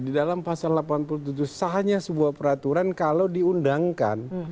di dalam pasal delapan puluh tujuh sahnya sebuah peraturan kalau diundangkan